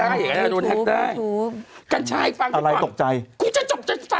ฮ่าดูได้กรรชายฟังอะไรตกใจจะจบจะจำ